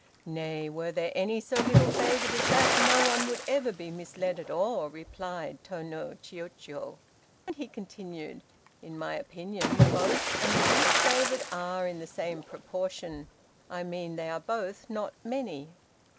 "Nay, were there any so little favored as that, no one would ever be misled at all!" replied Tô no Chiûjiô, and he continued, "In my opinion, the most and the least favored are in the same proportion. I mean, they are both not many.